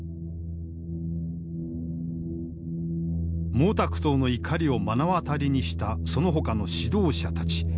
毛沢東の怒りを目の当たりにしたそのほかの指導者たち。